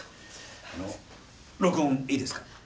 あの録音いいですか？